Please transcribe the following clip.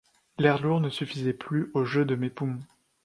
L’air lourd ne suffisait plus au jeu de mes poumons.